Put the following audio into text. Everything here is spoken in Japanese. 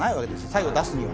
最後出すには。